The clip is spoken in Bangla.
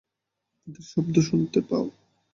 আমাদের শব্দ শুনতে পাও?